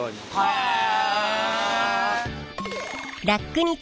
へえ！